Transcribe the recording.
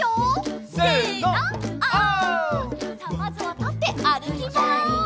さあまずはたってあるきます！